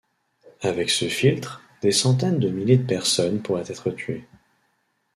Avec ce filtre, des centaines de milliers de personnes pourraient être tuées.